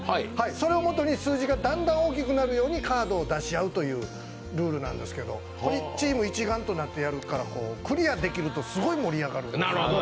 それをもとに数字がだんだん大きくなるようにカードを出し合うというルールなんですけど、チーム一丸となってやるから、クリアできるとすごい盛り上がるゲームです。